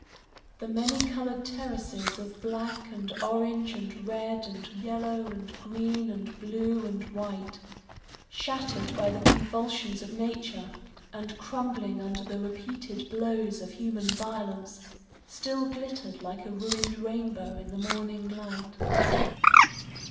The many coloured terraces of black and orange and red and yellow and green and blue and white, shattered by the convulsions of nature, and crumbling under the repeated blows of human violence, still glittered like a ruined rainbow in the morning light.